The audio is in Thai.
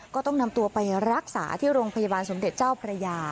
ก็ต้องนำตัวไปรักษาที่โรงพยาบาลสมเด็จเจ้าพระยา